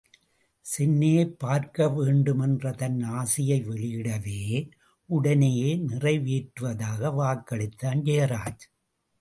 சென்னையைப் பார்க்கவேண்டுமென்ற தன் ஆசையை வெளியிடவே, உடனேயே நிறைவேற்றுவதாக வாக்களித்தான் ஜெயராஜ்.